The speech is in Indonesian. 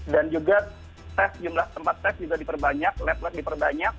dan juga jumlah tempat tes juga diperbanyak lab lab diperbanyak